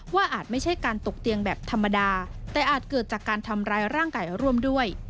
อาจไม่ใช่การตกเตียงแบบธรรมดาแต่อาจเกิดจากการทำร้ายร่างกายร่วมด้วย